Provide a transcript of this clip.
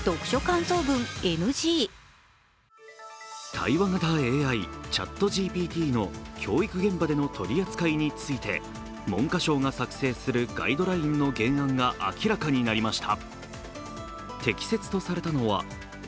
対話型ＡＩ、ＣｈａｔＧＰＴの教育現場での取り扱いについて文科省が作成するガイドラインの原案が明らかになりました。